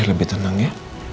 ya lebih tenang ya